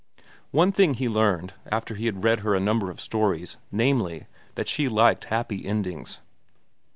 One thing he learned, after he had read her a number of stories, namely, that she liked happy endings.